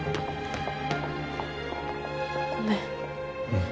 ごめん。